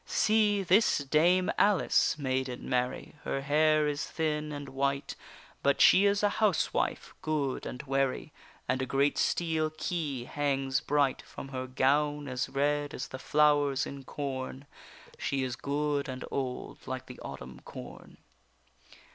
See, this dame Alice, maiden Mary, Her hair is thin and white, But she is a housewife good and wary, And a great steel key hangs bright From her gown, as red as the flowers in corn; She is good and old like the autumn corn.